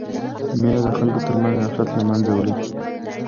مینه د خلکو ترمنځ نفرت له منځه وړي.